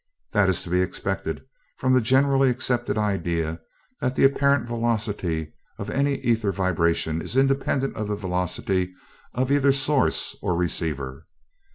That is to be expected from the generally accepted idea that the apparent velocity of any ether vibration is independent of the velocity of either source or receiver.